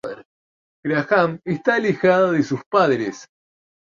Graham está alejada de sus padres.